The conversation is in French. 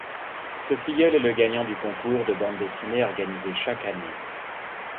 Ce filleul est le gagnant du concours de bande dessinée organisé chaque année.